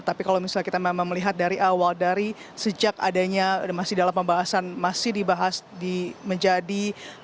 tapi kalau misalnya kita memang melihat dari awal dari sejak adanya masih dalam pembahasan masih dibahas menjadi